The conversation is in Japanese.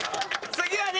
次はね